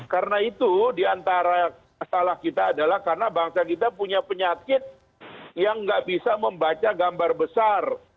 karena itu diantara masalah kita adalah karena bangsa kita punya penyakit yang nggak bisa membaca gambar besar